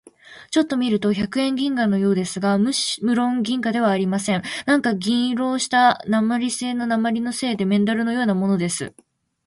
ちょっと見ると百円銀貨のようですが、むろん銀貨ではありません。何か銀色をした鉛製なまりせいのメダルのようなものです。